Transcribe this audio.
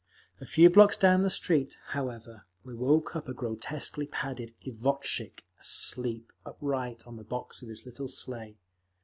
A few blocks down the street, however, we woke up a grotesquely padded izvostchik asleep upright on the box of his little sleigh.